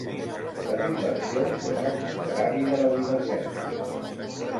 Les inversions són el contrari de la divergència.